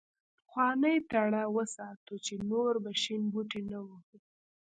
پخوانۍ تړه وساتو چې نور به شین بوټی نه وهو.